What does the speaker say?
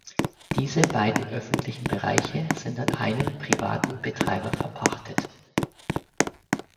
Diese beiden öffentlichen Bereiche sind an einen privaten Betreiber verpachtet.